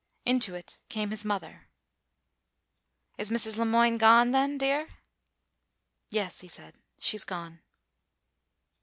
Into it came his mother. "Is Mrs. Le Moine gone, then, dear?" "Yes," he said. "She is gone."